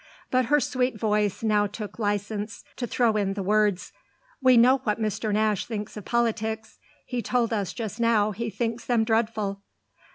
But her sweet voice now took license to throw in the words: "We know what Mr. Nash thinks of politics: he told us just now he thinks them dreadful."